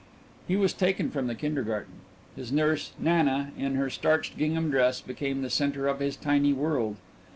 He was taken from the kindergarten. His nurse, Nana, in her starched gingham dress, became the centre of his tiny world.